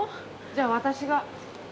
じゃあ私が。